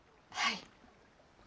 はい。